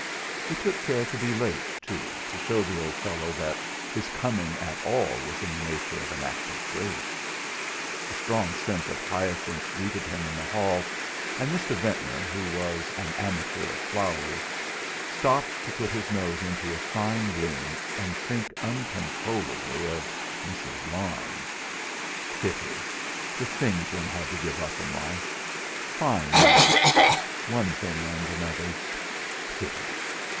He took care to be late, too, to show the old fellow that his coming at all was in the nature of an act of grace. A strong scent of hyacinths greeted him in the hall; and Mr. Ventnor, who was an amateur of flowers, stopped to put his nose into a fine bloom and think uncontrollably of Mrs. Larne. Pity! The things one had to give up in life fine women one thing and another. Pity!